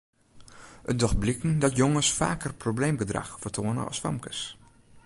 It docht bliken dat jonges faker probleemgedrach fertoane as famkes.